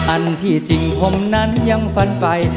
อันที่จริงผมนั้นยังฟันไฟ